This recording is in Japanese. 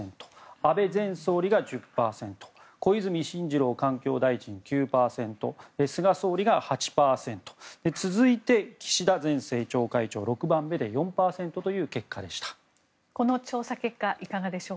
安倍前総理が１０％小泉進次郎環境大臣が９％菅総理が８％続いて岸田前政調会長６番目で４％という結果でした。